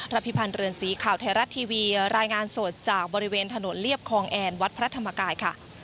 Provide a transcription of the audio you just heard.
พิพันธ์เรือนสีข่าวไทยรัฐทีวีรายงานสดจากบริเวณถนนเรียบคลองแอนวัดพระธรรมกายค่ะ